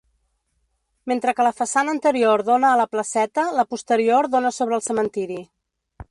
Mentre que la façana anterior dóna a la placeta, la posterior dóna sobre el cementiri.